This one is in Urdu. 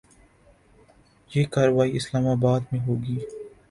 یہ کارروائی اسلام آباد میں ہو گی۔